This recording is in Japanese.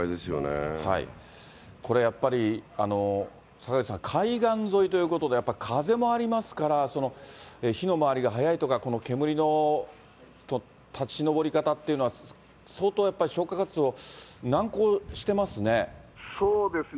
これやっぱり、坂口さん、海岸沿いということでやっぱり風もありますから、火の回りが速いとか、煙の立ち上り方っていうのは相当やっぱり消そうですね。